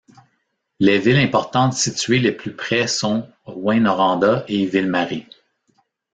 Les villes importantes situées les plus près sont Rouyn-Noranda et Ville-Marie.